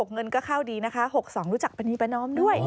เงินก็เข้าดีนะคะ๖๒รู้จักปณีประนอมด้วย